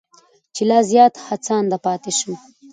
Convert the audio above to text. چې لا زیات هڅانده پاتې شم.